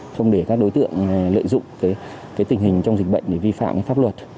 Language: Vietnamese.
không để các đối tượng lợi dụng tình hình trong dịch bệnh để vi phạm pháp luật